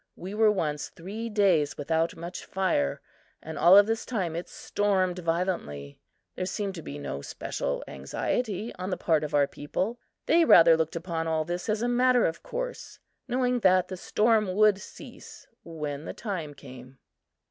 We were once three days without much fire and all of this time it stormed violently. There seemed to be no special anxiety on the part of our people; they rather looked upon all this as a matter of course, knowing that the storm would cease when the time came.